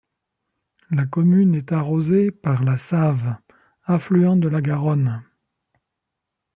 La commune est arrosée par la Save affluent de la Garonne.